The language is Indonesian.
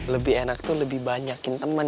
lebih enak tuh lebih banyakin temen